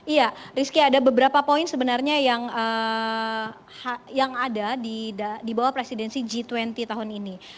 iya rizky ada beberapa poin sebenarnya yang ada di bawah presidensi g dua puluh tahun ini